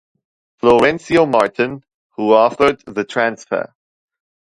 Florencio Martin, who authored the transfer.